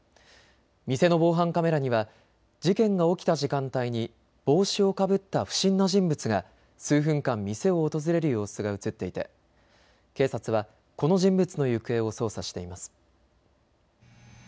店の防犯カメラには事件が起きた時間帯に帽子をかぶった不審な人物が数分間、店を訪れる様子が写っていて警察はこの人物の行方を捜査しています。